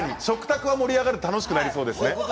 食卓は盛り上がる楽しくなりそうですね。